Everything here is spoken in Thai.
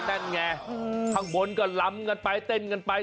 ข้างบนก็ลำกันไปเต้นกันไป